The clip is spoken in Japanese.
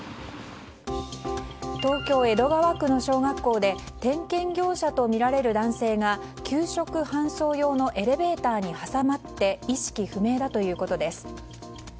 東京・江戸川区の小学校で点検業者とみられる男性が給食搬送用のエレベーターに挟まって意識不明だということです。